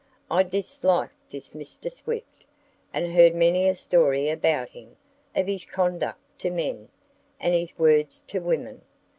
I disliked this Mr. Swift, and heard many a story about him, of his conduct to men, and his words to women.